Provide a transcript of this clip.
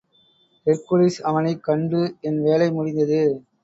Hercules அவனைக் கண்டு, என் வேலை முடிந்தது.